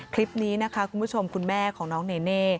คลิปนี้นะคะคุณผู้ชมคุณแม่ของน้องเนเน่